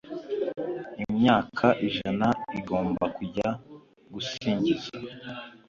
Imyaka ijana igomba kujya gusingiza